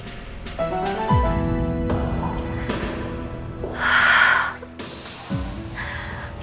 ya allah elsa